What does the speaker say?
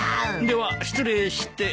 では失礼して。